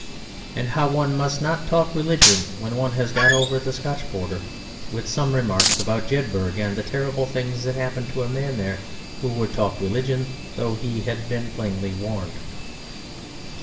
And how one must not talk religion when one has got over the Scotch border, with some remarks about Jedburgh, and the terrible things that happened to a man there who would talk religion though he had been plainly warned.